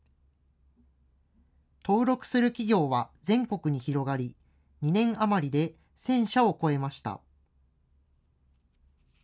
登録する企業は全国に広がり、２年余りで１０００社を超えました。